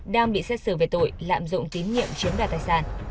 đang bị xét xử về tội lạm dụng tín nhiệm chiếm đoạt tài sản